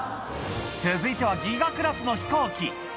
続いては、ギガクラスの飛行機。